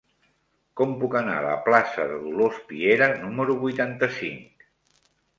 Com puc anar a la plaça de Dolors Piera número vuitanta-cinc?